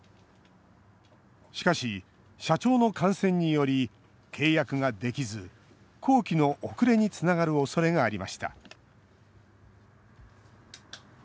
しかし、社長の感染により契約ができず工期の遅れにつながるおそれがありました。